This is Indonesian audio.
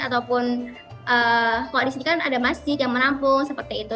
ataupun kalau di sini kan ada masjid yang menampung seperti itu